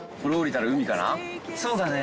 そうだね！